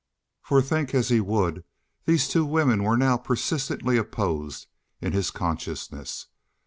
For think as he would, these two women were now persistently opposed in his consciousness.